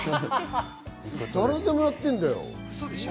誰でもやってるよ。